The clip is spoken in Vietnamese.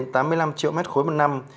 bảy mươi năm tám mươi năm triệu m ba một năm